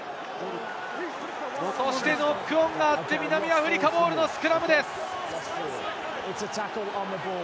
そしてノックオンがあって、南アフリカボールのスクラムです。